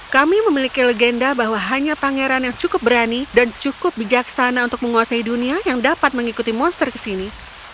kami memiliki legenda bahwa hanya pangeran yang cukup berani dan cukup bijaksana untuk menguasai dunia yang dapat mengikuti monster kesini